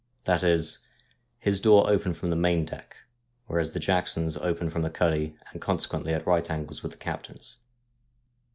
That is, his door opened from the main deck, whereas the Jacksons' opened from the cuddy, and consequently at right angles with the captain's.